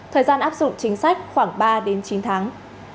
thời gian áp dụng chính sách khoảng ba chín tháng